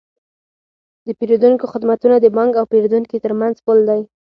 د پیرودونکو خدمتونه د بانک او پیرودونکي ترمنځ پل دی۔